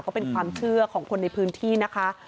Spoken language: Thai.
ก็เป็นความเชื่อของคนในพื้นที่นะคะ